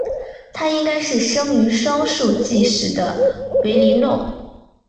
她应该是生于双树纪时的维林诺。